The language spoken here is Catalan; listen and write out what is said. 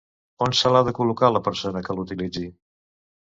On se l'ha de col·locar la persona que l'utilitzi?